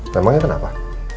memang ya kenapa